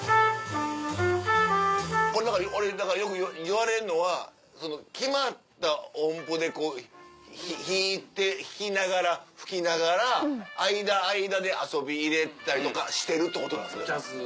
これだから俺よく言われるのは決まった音符で弾きながら吹きながら間間で遊び入れたりとかしてるってこと？